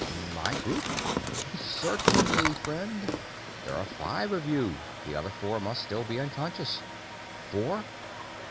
"My group?" "Certainly, my friend. There are five of you; the other four must still be unconscious." Four?